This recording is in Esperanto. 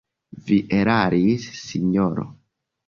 Vi eraris, sinjoro!